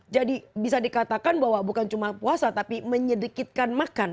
jadi bisa dikatakan bahwa bukan cuma puasa tapi menyedikitkan makan